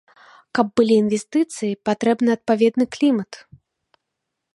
Каб былі інвестыцыі, патрэбны адпаведны клімат.